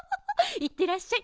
いってらっしゃい。